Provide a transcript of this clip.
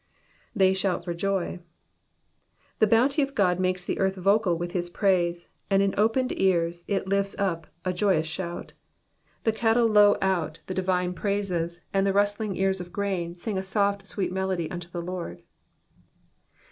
''''They shout for joy,'''' The bounty of God makes the earth vocal with his praise, and in opened ears it lifts up a joyous shout. The cattle low out the divine praises, and the rustling ears of grain sing a soft sweet melody unto the Lord.